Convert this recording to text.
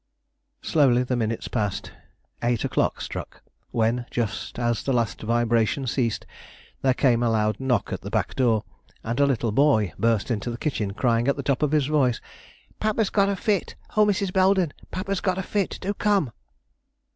Slowly the minutes passed; eight o'clock struck, when, just as the last vibration ceased, there came a loud knock at the back door, and a little boy burst into the kitchen, crying at the top of his voice: "Papa's got a fit! Oh, Mrs. Belden! papa's got a fit; do come!"